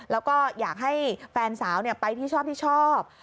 แล้วก็อยากให้แฟนสาวไปที่ชอบ